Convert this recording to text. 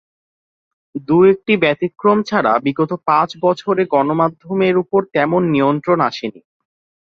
দু-একটি ব্যতিক্রম ছাড়া বিগত পাঁচ বছরে গণমাধ্যমের ওপর তেমন নিয়ন্ত্রণ আসেনি।